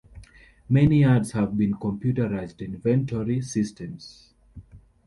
Many yards have computerized inventory systems.